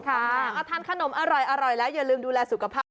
ทานขนมอร่อยแล้วอย่าลืมดูแลสุขภาพ